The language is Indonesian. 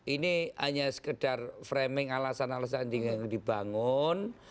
ini hanya sekedar framing alasan alasan yang dibangun